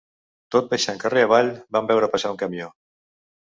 Tot baixant carrer avall, vam veure passar un camió